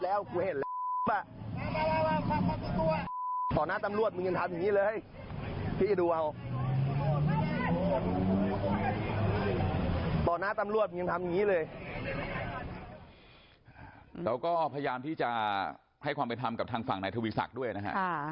แล้วก็พยายามที่จะให้ความเป็นธรรมกับทางฝั่งนายธวิสักษ์ด้วยนะครับ